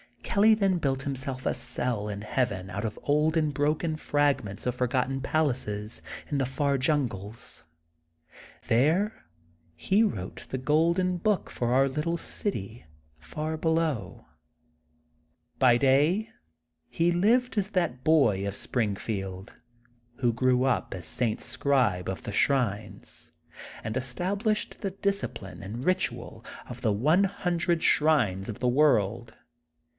Kelly then built himself a cell in Heaven out of old and broken fragments of forgotten palaces in the far jungles. There he wrote THE GOLDEN BOOK OF SPRINGFIELD 45 The Golden Book for our little city far be low. By day he lived as that boy of Spring field who grew up as Saint Scribe of the Shrines, and established the discipline and ritnal of The One Hundred Shrines of the World.